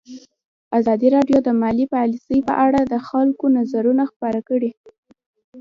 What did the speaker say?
ازادي راډیو د مالي پالیسي په اړه د خلکو نظرونه خپاره کړي.